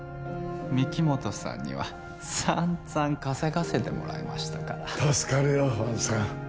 御木本さんにはさんざん稼がせてもらいましたから助かるよ王さん